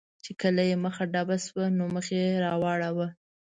چې کله یې مخه ډب شوه، نو مخ یې را واړاوه.